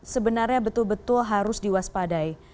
sebenarnya betul betul harus diwaspadai